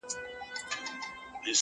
څه دي زده نه کړه د ژوند په مدرسه کي.